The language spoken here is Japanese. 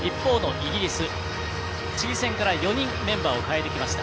イギリス、チリ戦から４人メンバーを代えてきました。